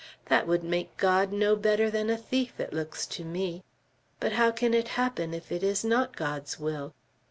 That would make God no better than a thief, it looks to me. But how can it happen, if it is not God's will?"